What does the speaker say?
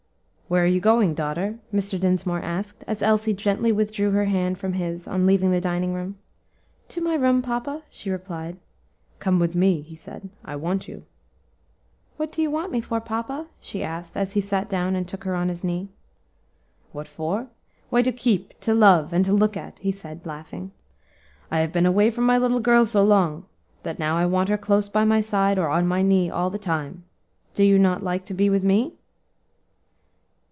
"Where are you going, daughter?" Mr. Dinsmore asked, as Elsie gently withdrew her hand from his on leaving the dining room. "To my room, papa," she replied. "Come with me," he said; "I want you." "What do you want me for, papa?" she asked, as he sat down and took her on his knee. "What for? why to keep, to love, and to look at," he said laughing. "I have been away from my little girl so long, that now I want her close by my side, or on my knee, all the time. Do you not like to be with me?"